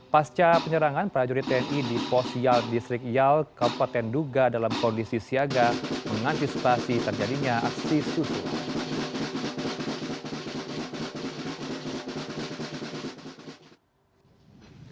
pasca penyerangan prajurit tni di pos iyal distrik iyal kabupaten nanduga dalam kondisi siaga mengantisipasi terjadinya aksi susu